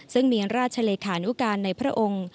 ซึ่งมีราชเลขานุการในพระองค์